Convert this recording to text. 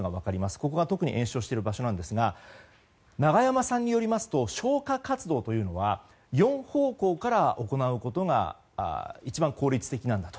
ここが特に延焼している場所ですが永山さんによりますと消火活動というのは４方向から行うことが一番効率的なんだと。